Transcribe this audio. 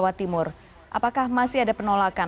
apakah masih ada penolakan